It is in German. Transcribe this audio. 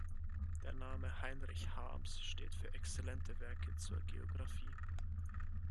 Der Name Heinrich Harms steht für exzellente Werke zur Geographie.